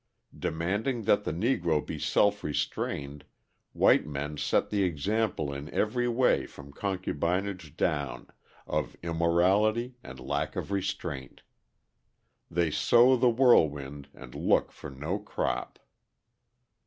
Demanding that the Negro be self restrained, white men set the example in every way from concubinage down, of immorality and lack of restraint. They sow the whirlwind and look for no crop!